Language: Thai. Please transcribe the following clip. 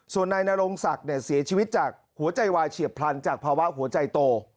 ส่วนนายนรงศักดิ์เสียชีวิตจากหัวใจวายเฉียบพลันจากภาวะหัวใจโต